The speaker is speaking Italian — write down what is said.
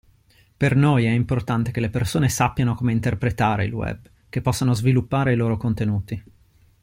Per noi è importante che le persone sappiano come interpretare il web, che possano sviluppare i loro contenuti.